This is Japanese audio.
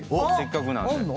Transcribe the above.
せっかくなんで。